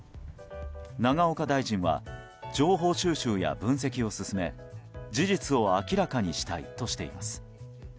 永岡大臣は情報収集や分析を進め事実を明らかにしたいとしています。